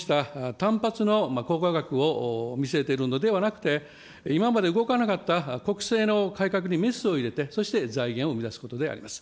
われわれの目標はこうした単発のを見せてるのではなくて、今まで動かなかった国政の改革にメスを入れて、そして財源を生み出すことであります。